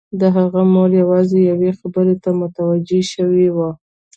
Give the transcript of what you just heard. د هغه مور یوازې یوې خبرې ته متوجه شوې وه